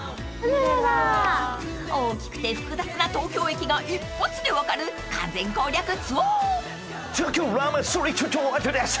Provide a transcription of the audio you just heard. ［大きくて複雑な東京駅が一発で分かる完全攻略ツアー］